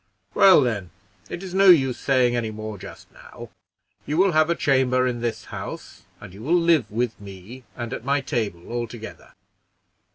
"Well, then, it is no use saying any more just now; you will have a chamber in this house, and you will live with me, and at my table altogether.